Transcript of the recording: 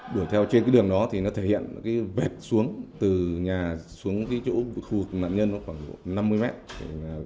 đuổi theo trên cái đường đó thì nó thể hiện cái vẹt xuống từ nhà xuống cái chỗ khu nạn nhân nó khoảng năm mươi mét